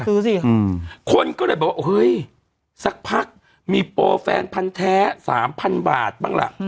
ซื้อสิครับคนก็เลยแบบว่าเฮ้ยสักพักมีโปรแฟนพันธุ์แท้๓๐๐๐บาทบ้างล่ะ